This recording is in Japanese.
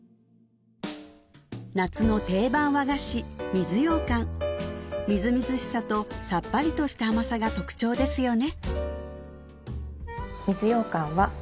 水ようかんみずみずしさとさっぱりとした甘さが特徴ですよね